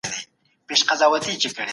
دا د لومړیتوبونو سم ټاکل دي.